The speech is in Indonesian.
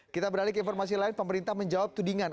kita beralih ke informasi lain pemerintah menjawab tudingan